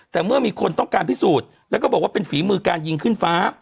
แต่เมื่อมีคนต้องการพิสูจน์แล้วก็บอกว่าเป็นฝีมือการยิงขึ้นฟ้า